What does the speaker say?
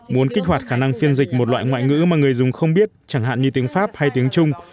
muốn kích hoạt khả năng phiên dịch một loại ngoại ngữ mà người dùng không biết chẳng hạn như tiếng pháp hay tiếng trung